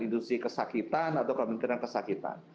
industri kesakitan atau kementerian kesakitan